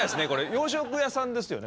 洋食屋さんですよね？